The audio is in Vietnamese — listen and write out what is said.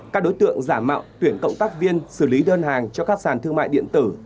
các đối tượng giả mạo tuyển cộng tác viên xử lý đơn hàng cho các sàn thương mại điện tử